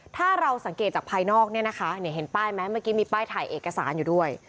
ถ้าเราสังเกตจากภายนอกเนี่ยนะคะเห็นป้ายไหมเมื่อกี้มีป้ายถ่ายเอกสารอยู่ด้วย